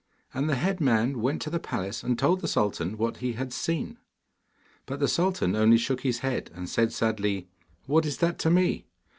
And the head man went to the palace and told the sultan what he had seen. But the sultan only shook his head, and said sadly, 'What is that to me?